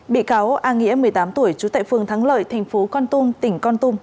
bị cáo a nghĩa một mươi tám tuổi chú tệ phương thắng lợi thành phố con tung tỉnh con tung